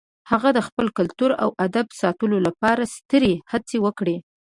هغه د خپل کلتور او ادب ساتلو لپاره سترې هڅې وکړې.